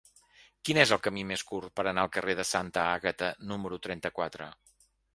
Quin és el camí més curt per anar al carrer de Santa Àgata número trenta-quatre?